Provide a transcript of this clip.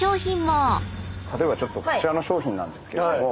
例えばちょっとこちらの商品なんですけども。